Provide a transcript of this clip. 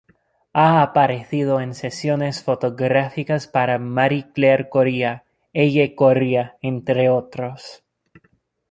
Ha aparecido en sesiones fotográficas para "Marie Claire Korea", "Elle Korea", entre otros.